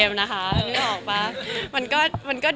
คนมองไปกันไปเลย